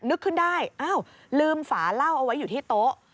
นึกขึ้นได้อ้าวลืมฝาเหล้าเอาไว้อยู่ที่โต๊ะ